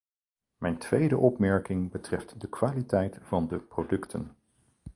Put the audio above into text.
Mijn tweede opmerking betreft de kwaliteit van de producten.